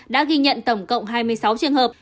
đã ghi nhận tổng cộng hai mươi sáu trường hợp